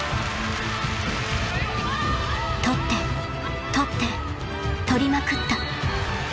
［取って取って取りまくった］